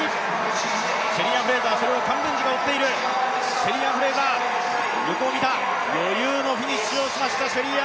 シェリーアン・フレイザー、余裕のフィニッシュをしました。